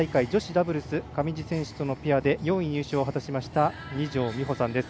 ダブルス上地選手とのペアで４位入賞を果たしました二條実穂さんです。